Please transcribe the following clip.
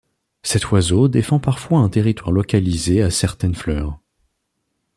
Cet oiseau défend parfois un territoire localisé à certaines fleurs.